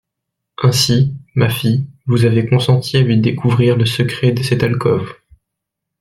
Ainsi, ma fille, vous avez consenti à lui découvrir le secret de cette alcôve.